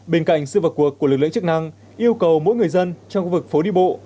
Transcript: bên cạnh sự vào cuộc của lực lượng chức năng yêu cầu mỗi người dân trong khu vực phố đi bộ